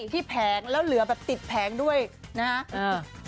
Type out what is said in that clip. แผงแล้วเหลือแบบติดแผงด้วยนะฮะ